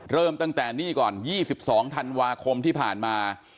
เริ่มตั้งแต่นี่ก่อน๒๒ธันวาคมที่ผ่านมา